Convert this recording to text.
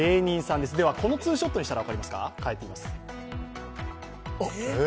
では、このツーショットにしたら分かりますか？